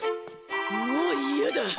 もう嫌だ！